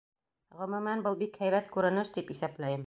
Ғөмүмән, был — бик һәйбәт күренеш, тип иҫәпләйем.